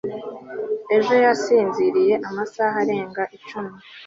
ejo yasinziriye amasaha arenga icumi